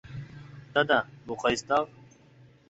دادا، بۇ قايسى تاغ؟